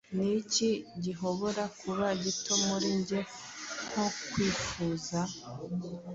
Niki gihobora kuba gito muri njye nko kwifuza